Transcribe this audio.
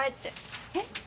えっ？